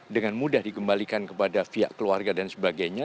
dengan mudah dikembalikan kepada pihak keluarga dan sebagainya